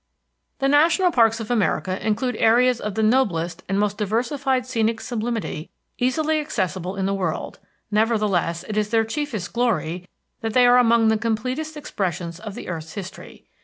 The national parks of America include areas of the noblest and most diversified scenic sublimity easily accessible in the world; nevertheless it is their chiefest glory that they are among the completest expressions of the earth's history.